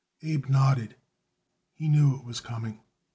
Abe nodded; he knew what was coming.